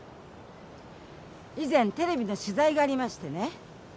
以前テレビの取材がありましてね